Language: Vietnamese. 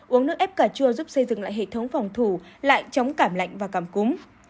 uống nước ép cà chua giúp xây dựng lại hệ thống phòng thủ lại chống cảm lạnh và cảm cúm